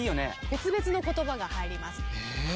別々の言葉が入ります。